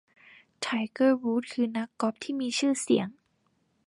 ไทเกอร์ วูดส์ คือนักกอล์ฟที่มีชื่อเสียง